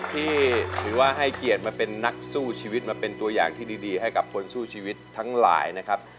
ที่ถือว่าให้เกียรติมาเป็นนักสู้ชีวิตมาเป็นตัวอย่างที่ดีให้กับคนสู้ชีวิตทั้งหลายนะครับ